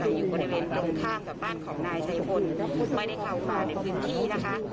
คืออยู่บริเวณตรงข้ามกับบ้านของนายชัยพลไม่ได้เข้ามาในพื้นที่นะคะ